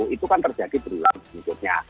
itu kan terjadi berulang sedikitnya